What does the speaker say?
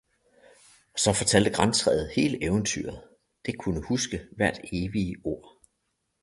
Og så fortalte grantræet hele eventyret, det kunne huske hvert evige ord.